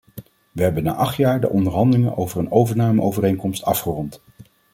We hebben na acht jaar de onderhandelingen over een overnameovereenkomst afgerond.